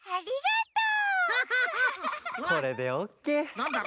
なんだろ？